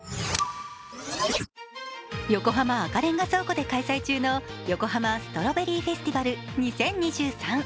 横浜赤レンガ倉庫で開催中のヨコハマストロベリーフェスティバル２０２３。